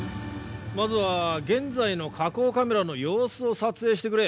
まずは現在の火口カメラの様子を撮影してくれ。